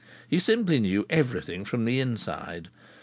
He simply knew everything from the inside.